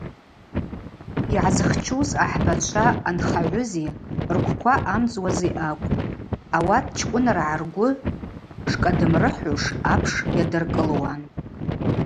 Йгӏазхчуз ахӏбачва ъанхагӏвызи ргвква ъамдзуази акӏвпӏ – ауат чкӏвыныргӏагьи ргвы шкӏадымрыхӏуш апш йадыркӏылуан.